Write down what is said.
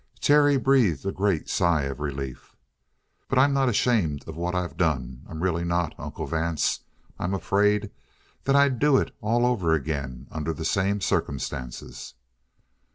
Terry breathed a great sigh of relief. "But I'm not ashamed of what I've done. I'm really not, Uncle Vance. I'm afraid that I'd do it over again, under the same circumstances."